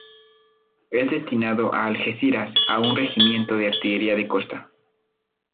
Es destinado a Algeciras a un Regimiento de Artillería de costa.